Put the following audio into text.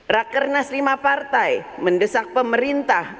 rakyat kernas lima partai mendesak pemerintah